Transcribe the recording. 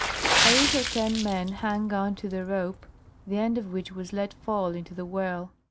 Eight or ten men hung on to the rope, the end of which was let fall into the well.